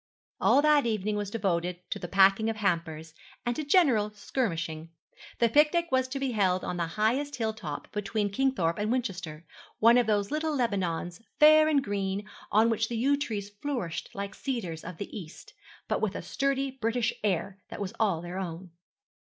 All that evening was devoted to the packing of hampers, and to general skirmishing. The picnic was to be held on the highest hill top between Kingthorpe and Winchester, one of those little Lebanons, fair and green, on which the yew trees flourished like the cedars of the East, but with a sturdy British air that was all their own.